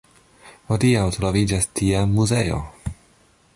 Hodiaŭ troviĝas tie muzeo.